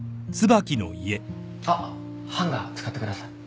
あっハンガー使ってください。